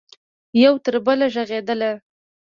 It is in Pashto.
یو تربله ږغیدله